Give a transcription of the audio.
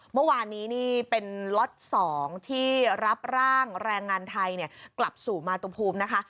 เมื่อวานนี้นี่เป็นล็อต๒ที่รับร่างแรงงานไทยกลับสู่มาตุภูมินะคะ